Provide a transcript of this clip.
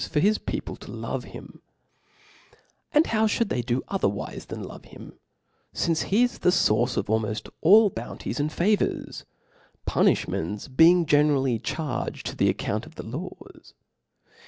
for his people lolove hicn. Aiid how (hould they do otherwiic than, love him ? fince he is the fourize of. i^lmoH: all, bounties and favours ; pynf (hments being geqer r?lly chaiged to tl^ account of the laws.